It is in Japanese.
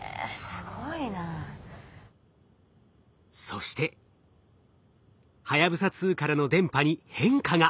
そしてはやぶさ２からの電波に変化が。